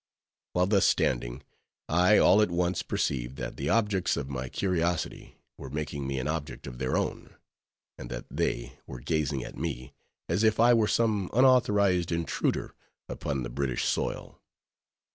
While thus standing, I all at once perceived, that the objects of my curiosity, were making me an object of their own; and that they were gazing at me, as if I were some unauthorized intruder upon the British soil.